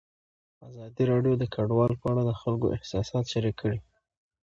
ازادي راډیو د کډوال په اړه د خلکو احساسات شریک کړي.